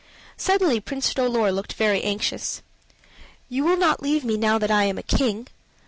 Suddenly Prince Dolor looked very anxious. "You will not leave me now that I am a king?